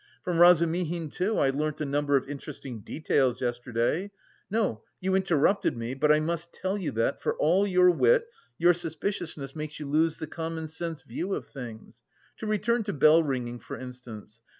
From Razumihin, too, I learnt a number of interesting details yesterday. No, you interrupted me, but I must tell you that, for all your wit, your suspiciousness makes you lose the common sense view of things. To return to bell ringing, for instance.